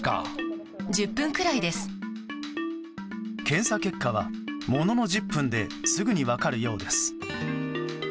検査結果は、ものの１０分ですぐに分かるようです。